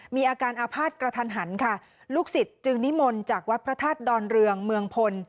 มีอาการอาภาษณ์กระทันหันค่ะลูกศิษย์จึงนิมนต์จากวัดพระธาตุดอนเรืองเมืองพล